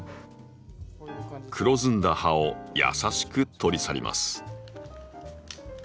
黒ずんだ葉を優しく取り去ります。